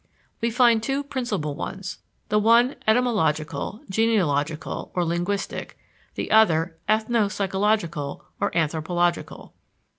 We find two principal ones the one, etymological, genealogical, or linguistic; the other, ethno psychological, or anthropological.